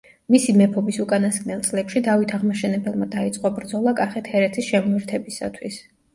მისი მეფობის უკანასკნელ წლებში დავით აღმაშენებელმა დაიწყო ბრძოლა კახეთ-ჰერეთის შემოერთებისათვის.